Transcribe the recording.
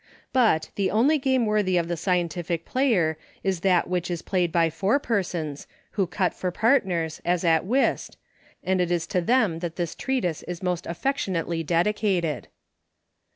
But, the only game worthy of the scientific player is that which is played by four persons, who cut for partners, 2 34 BUCHBS. as at Whist, and it is to them that this Trea tise is most affectionately dedicated.